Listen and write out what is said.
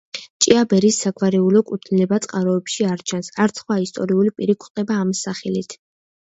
ჭიაბერის საგვარეულო კუთვნილება წყაროებში არ ჩანს, არც სხვა ისტორიული პირი გვხვდება ამ სახელით.